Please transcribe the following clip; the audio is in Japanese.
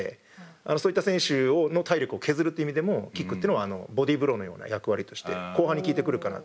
そういった選手の体力を削るって意味でもキックっていうのはボディーブローのような役割として後半に効いてくるかなっていう。